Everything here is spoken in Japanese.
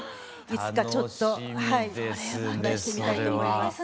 いつかちょっとやってみたいと思います。